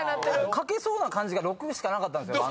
書けそうな漢字が「六」しかなかったんですよ